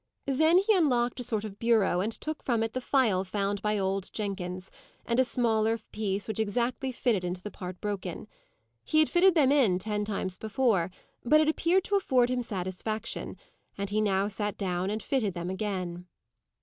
Then he unlocked a sort of bureau, and took from it the phial found by old Jenkins, and a smaller piece which exactly fitted into the part broken. He had fitted them in ten times before, but it appeared to afford him satisfaction, and he now sat down and fitted them again.